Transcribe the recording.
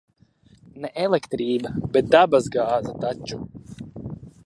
Ne elektrība, bet dabas gāze taču.